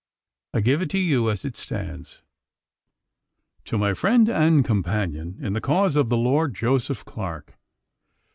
I give it to you as it stands; 'To my friend and companion in the cause of the Lord, Joseph Clarke.